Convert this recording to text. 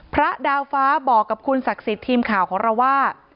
พระดาวฟ้าบอกกับคุณศักดิ์สิทธิ์ทีมข่าวของเราว่า